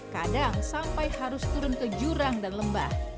kadang sampai harus turun ke jurang dan lembah